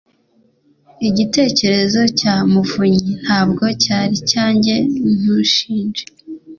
Igitekerezo cya Muvunnyi ntabwo cyari cyanjye Ntunshinje